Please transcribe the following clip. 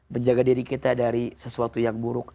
menjaga diri kita dari sesuatu yang buruk